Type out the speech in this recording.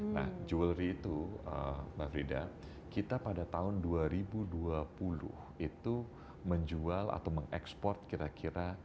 nah jewelry itu mbak frida kita pada tahun dua ribu dua puluh itu menjual atau mengekspor kira kira